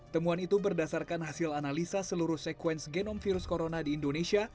temuan itu berdasarkan hasil analisa seluruh sekuens genom virus corona di indonesia